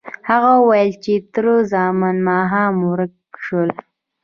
هغه وویل چې تره زامن ماښام ورک شول.